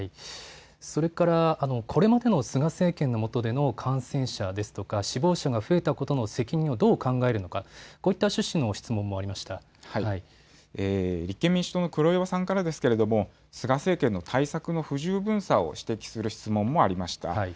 それからこれまでの菅政権の下での感染者ですとか、死亡者が増えたことの責任をどう考えるのか、こういった趣旨の質問もあり立憲民主党の黒岩さんからですけれども、菅政権の対策の不十分さを指摘する質問もありました。